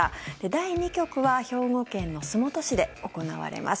第２局は兵庫県の洲本市で行われます。